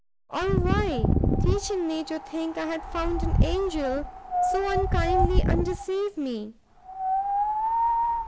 or why, teaching me to think I had found an angel, so unkindly undeceive me?"